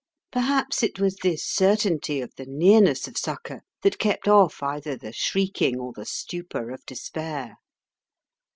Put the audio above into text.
Perhaps it was this certainty of the nearness of succour that kept off either the shrieking or the stupor of despair.